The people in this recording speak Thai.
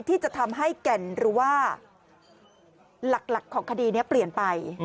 ที่จะทำให้แก่นหรือว่าหลักของคดีนี้เปลี่ยนไป